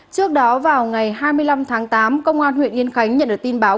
trước đó vào ngày hai mươi năm tháng tám công an huyện yên khánh nhận được tin báo